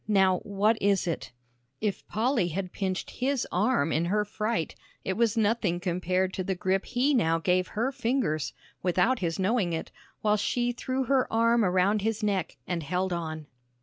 Now, what is it?" If Polly had pinched his arm in her fright, it was nothing to the grip he now gave her fingers, without his knowing it, while she threw her arm around his neck and held on.